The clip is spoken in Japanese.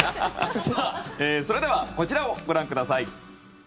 それではこちらをご覧ください。